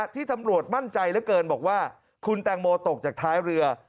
ที่ตำรวจมั่นใจเหลือเกินบอกว่าคุณแตงโมตกจากท้ายเรือ